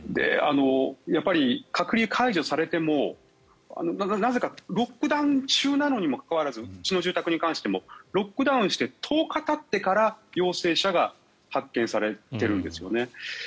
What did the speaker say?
やっぱり、隔離が解除されてもなぜかロックダウン中なのにもかかわらずうちの住宅に関してもロックダウンして１０日たってから陽性者が発見されてるんですよね。